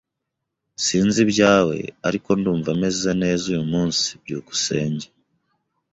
Sinzi ibyawe, ariko ndumva meze neza uyu munsi. byukusenge